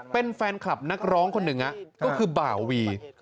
เป็นแฟนคลับนักร้องคนหนึ่งก็คือบ่าวี